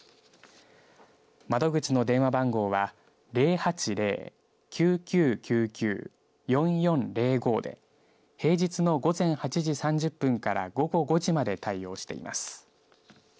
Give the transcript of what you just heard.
窓口の電話番号は０８０‐９９９９‐４４０５で平日の午前８時３０分から午後５時まで対応しています。